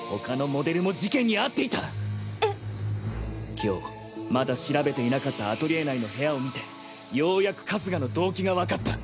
今日まだ調べていなかったアトリエ内の部屋を見てようやく春日の動機が分かった。